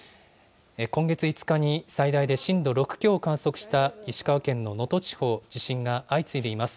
今月５日に最大で震度６強を観測した石川県の能登地方、地震が相次いでいます。